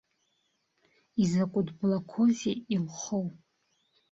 Изакәытә блақәоузеи илхоу!